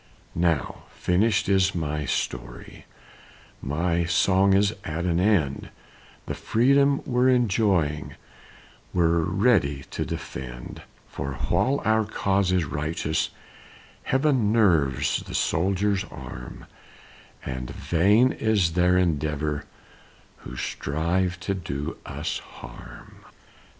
Now finished is my story, My song is at an end; The freedom we're enjoying We're ready to defend; For while our cause is righteous, Heaven nerves the soldier's arm, And vain is their endeavor Who strive to do us harm.